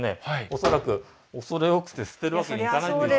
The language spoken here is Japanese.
恐らく畏れ多くて捨てるわけにいかないって。